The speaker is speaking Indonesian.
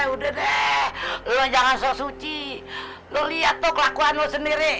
ya udah deh lo jangan saya suci lo lihat tuh kelakuan lo sendiri